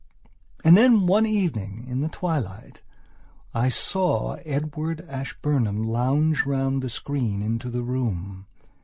And then, one evening, in the twilight, I saw Edward Ashburnham lounge round the screen into the room.